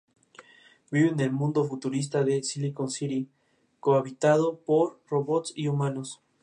Este enfoque fue instituida por el ex entrenador Bill Parcells.